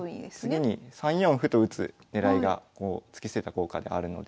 次に３四歩と打つ狙いが突き捨てた効果であるので。